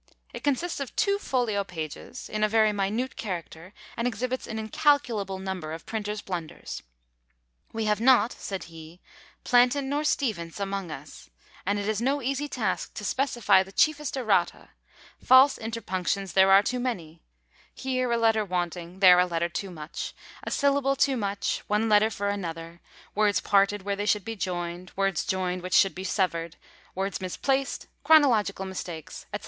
It consists of two folio pages, in a very minute character, and exhibits an incalculable number of printers' blunders. "We have not," he says, "Plantin nor Stephens amongst us; and it is no easy task to specify the chiefest errata; false interpunctions there are too many; here a letter wanting, there a letter too much; a syllable too much, one letter for another; words parted where they should be joined; words joined which should be severed; words misplaced; chronological mistakes," &c.